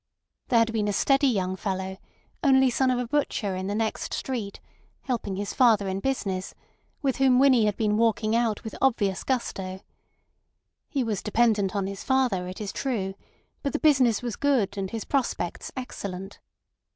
There had been a steady young fellow, only son of a butcher in the next street, helping his father in business, with whom Winnie had been walking out with obvious gusto. He was dependent on his father, it is true; but the business was good, and his prospects excellent.